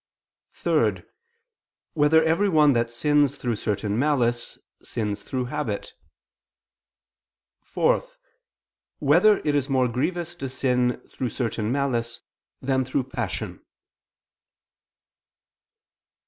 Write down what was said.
(3) Whether every one that sins through certain malice, sins through habit? (4) Whether it is more grievous to sin through certain malice, than through passion?